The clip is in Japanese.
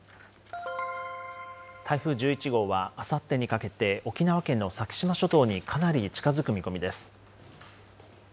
台風１１号はあさってにかけて、沖縄県の先島諸島にかなり近づく見込みです。